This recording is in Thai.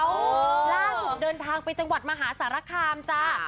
ล่าสุดเดินทางไปจังหวัดมหาสารคามจ้า